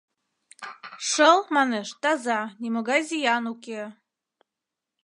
— Шыл, манеш, таза, нимогай зиян уке.